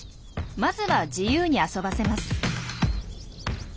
まずは自由に遊ばせます。